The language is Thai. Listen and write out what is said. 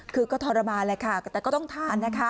คือก็ทรมานแหละค่ะแต่ก็ต้องทานนะคะ